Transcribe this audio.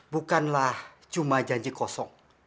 bukanlah cuma janji kosong